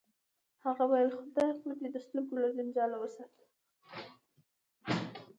هغه ویل خدای خو دې د سترګو له جنجاله وساته